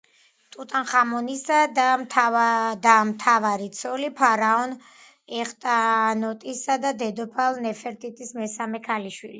ტუტანხამონის და და მთავარი ცოლი, ფარაონ ეხნატონისა და დედოფალ ნეფერტიტის მესამე ქალიშვილი.